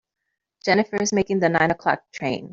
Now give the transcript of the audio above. Jennifer is making the nine o'clock train.